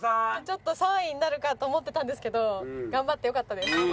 ちょっと３位になるかと思ってたんですけど頑張ってよかったです。